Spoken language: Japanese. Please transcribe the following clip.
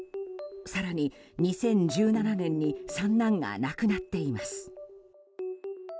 更に２０１７年に三男が亡くなっています。